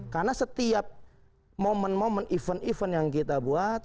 karena setiap momen momen event event yang kita buat